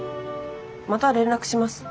また連絡します。